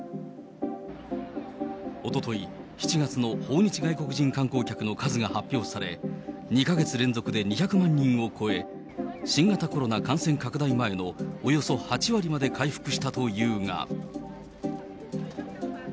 おととい、７月の訪日外国人観光客の数が発表され、２か月連続で２００万人を超え、新型コロナ感染拡大前のおよそ８割まで回復したというが。